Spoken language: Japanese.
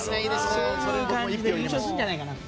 そういう感じで優勝するんじゃないかな。